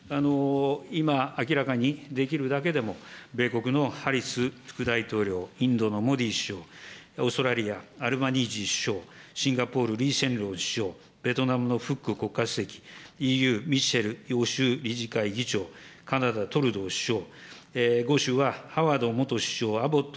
今、明らかにできるだけでも、米国のハリス副大統領、インドのモディ首相、オーストラリア、アルマニージ首相、シンガポール、リー・シェンロン首相、ベトナムのフック国家主席、ＥＵ、ミッシェル欧州理事会理事長、カナダ、トルドー首相。